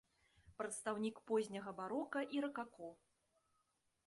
Прадстаўнік позняга барока і ракако.